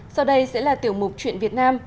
sau đây sẽ là tiểu mục chuyện việt nam